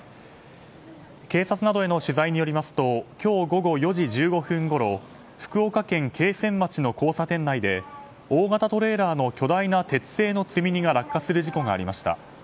警察などへの取材によりますと今日午後４時１５分ごろ福岡県桂川町の交差点内で大型トレーラーの巨大な鉄製の積み荷が落下する事故がありました。